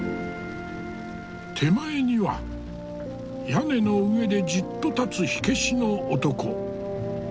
手前には屋根の上でじっと立つ火消しの男。